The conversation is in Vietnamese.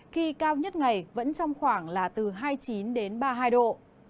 khi cao nhất ngày vẫn trong khoảng là từ hai mươi chín đến ba mươi hai độ